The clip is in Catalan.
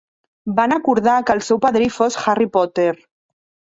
Van acordar que el seu padrí fos Harry Potter.